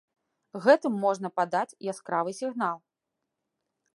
Гэтым можна падаць яскравы сігнал.